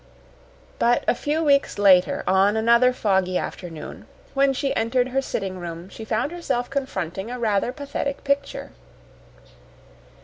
But a few weeks later, on another foggy afternoon, when she entered her sitting room she found herself confronting a rather pathetic picture.